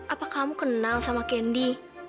apa kamu kenal sama kendi